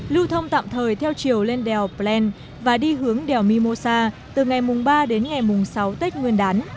lưu thông tạm thời theo chiều lên đèo plen và đi hướng đèo mimosa từ ngày ba đến ngày mùng sáu tết nguyên đán